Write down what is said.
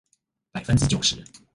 百分之九十